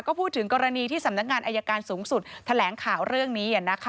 ก็พูดถึงกรณีที่สำนักงานอายการสูงสุดแถลงข่าวเรื่องนี้